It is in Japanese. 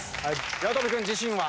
八乙女君自信は？